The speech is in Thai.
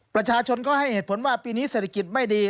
ประชาชนก็ให้เหตุผลว่าปีนี้เศรษฐกิจไม่ดี